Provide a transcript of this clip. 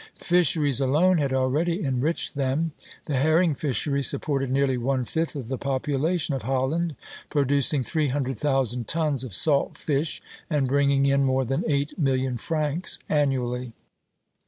Fisheries alone had already enriched them. The herring fishery supported nearly one fifth of the population of Holland, producing three hundred thousand tons of salt fish, and bringing in more than eight million francs annually.